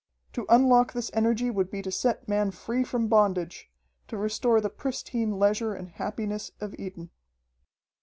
To unlock this energy would be to set man free from bondage, to restore the pristine leisure and happiness of Eden.